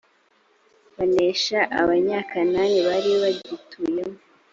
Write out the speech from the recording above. banesha e abanyakanani f bari bagituyemo